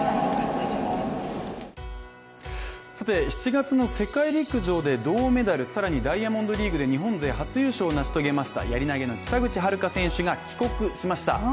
７月の世界陸上で銅メダル、更にダイヤモンドリーグで日本勢初優勝を成し遂げましたやり投げの北口榛花選手が帰国しました。